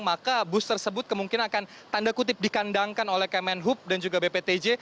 maka bus tersebut kemungkinan akan tanda kutip dikandangkan oleh kemenhub dan juga bptj